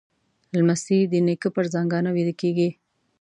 لمسی د نیکه پر زنګانه ویده کېږي.